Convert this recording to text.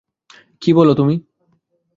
কি বল তুমি?